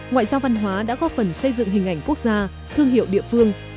ngoại giao văn hóa đã góp phần xây dựng hình ảnh quốc gia thương hiệu địa phương